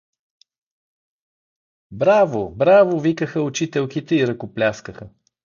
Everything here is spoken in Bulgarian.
— Браво! Браво! — викаха учителките и ръкопляскаха.